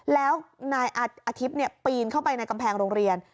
แล้วนายอาทิตย์ปีนเข้าไปในกำแพงโรงเรียน